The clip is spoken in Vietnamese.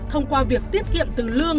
thông qua việc tiết kiệm từ lương